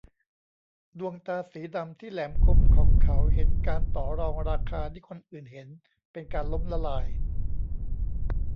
ดวงตาสีดำที่แหลมคมของเขาเห็นการต่อรองราคาที่คนอื่นเห็นเป็นการล้มละลาย